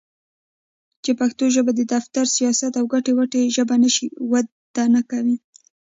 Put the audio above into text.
چې پښتو ژبه د دفتر٬ سياست او ګټې وټې ژبه نشي؛ وده نکوي.